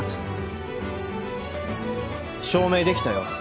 証明できたよ